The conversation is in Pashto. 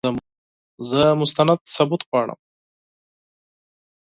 زه مستند ثبوت غواړم !